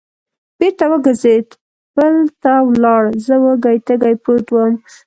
بېرته و ګرځېد، پل ته ولاړ، زه وږی تږی پروت ووم.